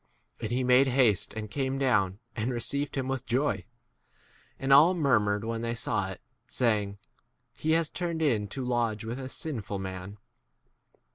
And he made haste and came down, and received 7 him with joy. And all murmured when they saw [it], saying, He has turned in to lodge with a sinful 8 man.